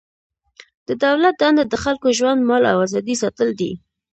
د دولت دنده د خلکو ژوند، مال او ازادي ساتل دي.